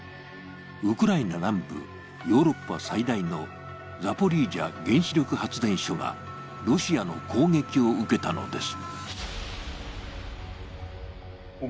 ウクライナ南部、ヨーロッパ最大のザポリージャ原子力発電所がロシアの攻撃を受けたのです。